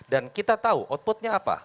dan kita tahu outputnya apa